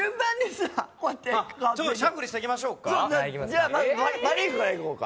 じゃあまずパ・リーグからいこうか。